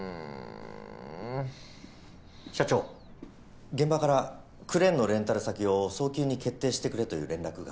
社長現場からクレーンのレンタル先を早急に決定してくれという連絡が。